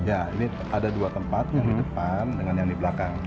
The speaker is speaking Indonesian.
ya ini ada dua tempat yang di depan dengan yang di belakang